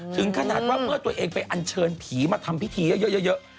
ถึงขนาดว่าเมื่อตัวเองไปอันเชิญผีมาทำพิธีเยอะ